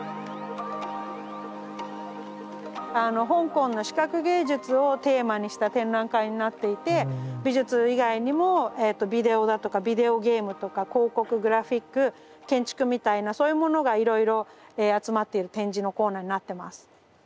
香港の視覚芸術をテーマにした展覧会になっていて美術以外にもビデオだとかビデオゲームとか広告グラフィック建築みたいなそういうものがいろいろ集まっている展示のコーナーになってます。